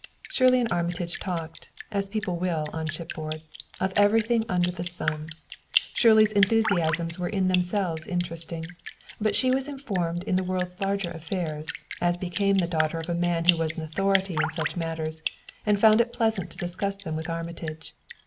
Shirley and Armitage talked as people will on ship board of everything under the sun. Shirley's enthusiasms were in themselves interesting; but she was informed in the world's larger affairs, as became the daughter of a man who was an authority in such matters, and found it pleasant to discuss them with Armitage.